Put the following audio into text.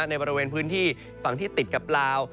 ในบริเวณพื้นที่ฝั่งที่ติดกับลาว